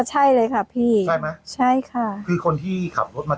กล้วยทอด๒๐๓๐บาท